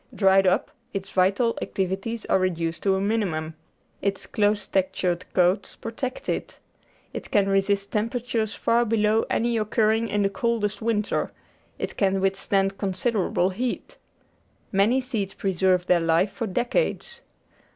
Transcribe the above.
Dried up, its vital activities are reduced to a minimum ; its close textured coats protect it; it can resist temperatures far below any occurring in the coldest winter; it can withstand con siderable heat; many seeds preserve their life for decades.